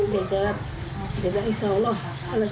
dia jawab dia bilang